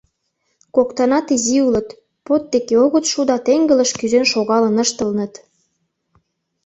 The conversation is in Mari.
Коктынат изи улыт, под деке огыт шу да теҥгылыш кӱзен шогалын ыштылыныт.